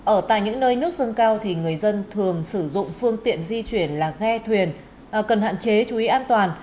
ở tại những nơi nước dâng cao thì người dân thường sử dụng phương tiện di chuyển là ghe thuyền cần hạn chế chú ý an toàn